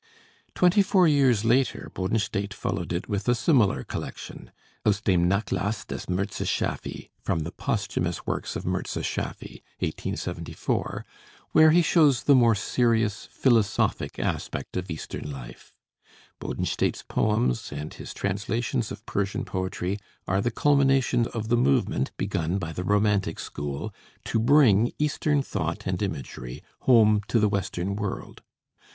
Twenty four years later Bodenstedt followed it with a similar collection, 'Aus dem Nachlass des Mirza Schaffy' (From the Posthumous Works of Mirza Schaffy: 1874), where he shows the more serious, philosophic aspect of Eastern life. Bodenstedt's poems and his translations of Persian poetry are the culmination of the movement, begun by the Romantic School, to bring Eastern thought and imagery home to the Western world.